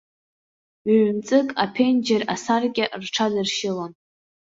Ҩ-мҵык аԥенџьыр асаркьа рҽадыршьылон.